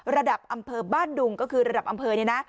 ระดับอำเภอบ้านดุงก็คือระดับอำเภอเนี่ยนะ